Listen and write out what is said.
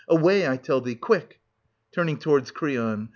Away, I tell thee — quick !— {Turning towards Creon.)